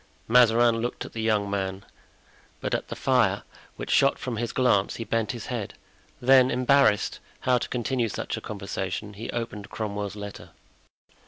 Mazarin looked at the young man, but at the fire which shot from his glance he bent his head; then, embarrassed how to continue such a conversation, he opened Cromwell's letter.